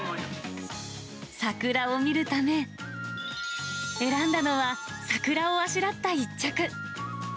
桜を見るため、選んだのは桜をあしらった一着。